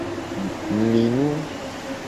Mli nu.